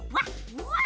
うわ！